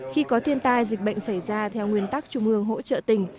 khi có thiên tai dịch bệnh xảy ra theo nguyên tắc trung ương hỗ trợ tỉnh